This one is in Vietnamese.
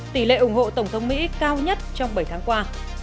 tỷ lệ ủng hộ tổng thống mỹ cao nhất trong bảy tháng qua